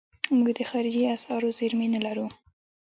موږ د خارجي اسعارو زیرمې نه لرو.